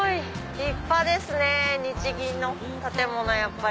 立派ですね日銀の建物。